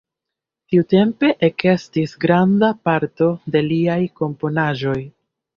Tiutempe ekestis granda parto de liaj komponaĵoj.